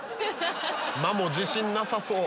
マモ自信なさそう。